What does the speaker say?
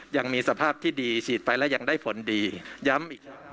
ยังมีสภาพที่ดีฉีดไปแล้วยังได้ผลดีย้ำอีก